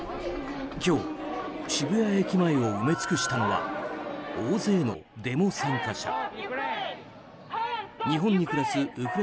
今日渋谷駅前を埋め尽くしたのは大勢のデモ参加者。